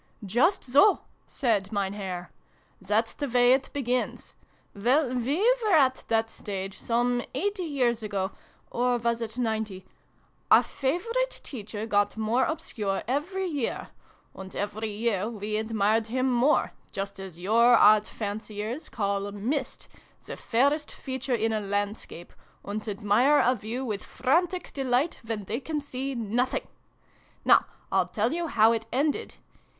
" Just so," said Mein Herr. " That's the way it begins. Well, we were at that stage some eighty years ago or was it ninety ? Our favourite teacher got more obscure every year ; and every year we admired him more just as your Art fanciers call mist the fairest feature in a landscape, and admire a view with frantic delight when they can see nothing! Now I'll tell you how it ended.